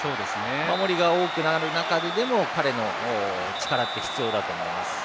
守りが多くなる中でも彼の力が必要だと思います。